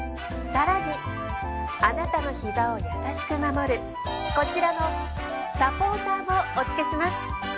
更にあなたのひざを優しく守るこちらのサポーターもお付けします。